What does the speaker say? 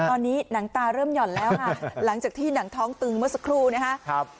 ตอนนี้หนังตาเริ่มหย่อนแล้วค่ะหลังจากที่หนังท้องตึงเมื่อสักครู่นะครับ